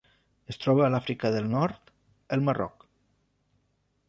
Es troba a l'Àfrica del Nord: el Marroc.